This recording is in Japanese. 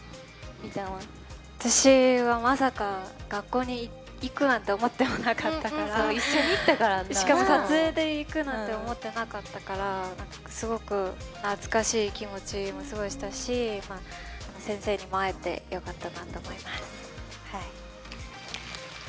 私はまさか学校に行くなんて思ってもなかったからしかも撮影で行くなんて思ってなかったからすごく懐かしい気持ちもすごいしたし先生にも会えてよかったなと思います。